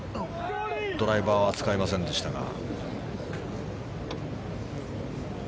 ドライバーは使いませんでしたが。